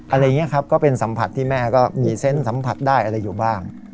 อะไรอย่างนี้ครับก็เป็นสัมผัสที่แม่ก็มีเซนต์สัมผัสได้อะไรอยู่บ้าง